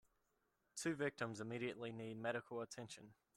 Two victims immediately need medical attention.